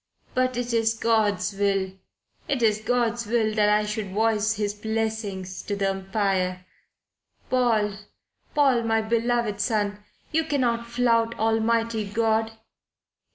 "But it is God's will. It is God's will that I should voice His message to the Empire. Paul, Paul, my beloved son you cannot flout Almighty God."